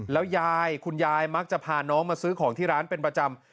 แล้วยายคุณยายมักจะพาน้องมาซื้อของที่ร้านเป็นประจำ